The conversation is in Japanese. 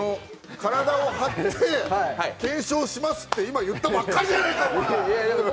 体を張って検証しますって、今、言ったばかりじゃないか、お前！